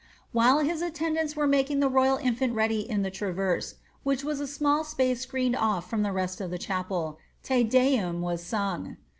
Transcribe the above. While his attendants were making the ro3ral infant ready in the traverse (which was a small space screened off from the rest of the chapel) Te Deum was sung.